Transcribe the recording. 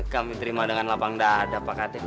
kami terima dengan lapang dada pak kades